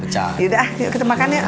yaudah yuk kita makan ya